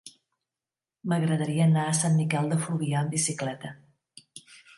M'agradaria anar a Sant Miquel de Fluvià amb bicicleta.